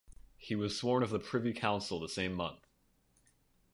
He was sworn of the Privy Council the same month.